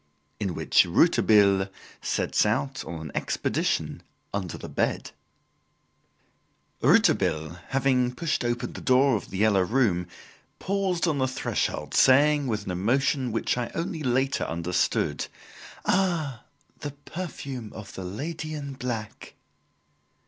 In Which Rouletabille Sets Out on an Expedition Under the Bed Rouletabille having pushed open the door of "The Yellow Room" paused on the threshold saying, with an emotion which I only later understood, "Ah, the perfume of the lady in black!"